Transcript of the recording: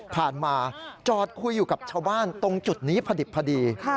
มาจอดคุยอยู่กับชาวบ้านตรงจุดนี้พอดิบพอดี